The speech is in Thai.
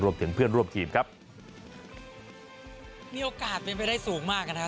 เพื่อนร่วมทีมครับมีโอกาสเป็นไปได้สูงมากนะครับ